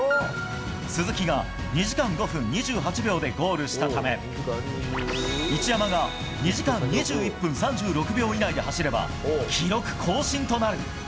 鈴木が２時間５分２８秒でゴールしたため一山が２時間２１分３６秒以内で走れば、記録更新となる。